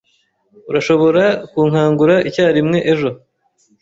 Urashobora kunkangura icyarimwe ejo?